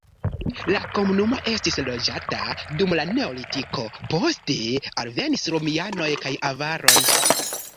La komunumo estis loĝata dum la neolitiko, poste alvenis romianoj kaj avaroj.